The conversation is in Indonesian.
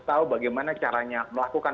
tahu bagaimana caranya melakukan